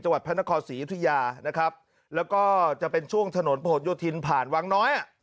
วัดพระนครศรียุธยานะครับแล้วก็จะเป็นช่วงถนนผนโยธินผ่านวังน้อยอ่ะ